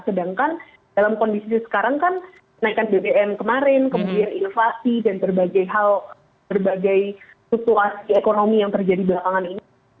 sedangkan dalam kondisi sekarang kan naikan bbm kemarin kemudian inflasi dan berbagai hal berbagai situasi ekonomi yang terjadi belakangan ini